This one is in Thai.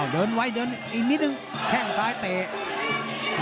เดินไว้เดินอีกนิดนึงแข้งซ้ายเตะ